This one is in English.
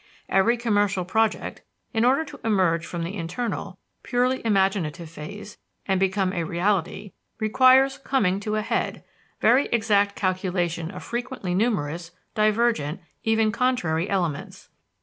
Every commercial project, in order to emerge from the internal, purely imaginative phase, and become a reality, requires "coming to a head," very exact calculation of frequently numerous, divergent, even contrary elements.